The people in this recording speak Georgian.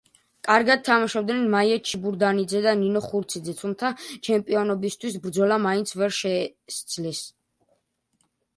კარგად თამაშობდნენ მაია ჩიბურდანიძე და ნინო ხურციძე, თუმცა ჩემპიონობისათვის ბრძოლა მაინც ვერ შესძლეს.